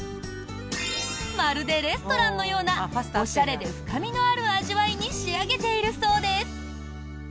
まるでレストランのようなおしゃれで深みのある味わいに仕上げているそうです。